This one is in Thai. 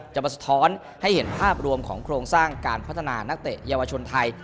มาสะท้อนให้เห็นภาพรวมของโครงสร้างการพัฒนานักเตะเยาวชนไทย